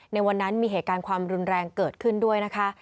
ในวันนั้นมีเหตุการณ์ความรุนแรงเกิดขึ้นด้วยนะคะ